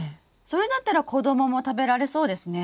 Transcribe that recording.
それだったら子供も食べられそうですね。